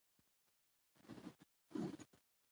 راكي پونټنګ د اسټرالیا کپتان وو.